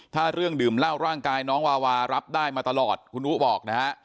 ถ้าเรื่องดื่มเหล้าร่างกายน้องวาวารับได้มาตลอดคุณอุ๊บอกนะฮะ